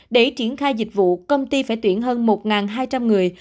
để triển khai dịch vụ công ty phải tuyển hơn một hai trăm linh người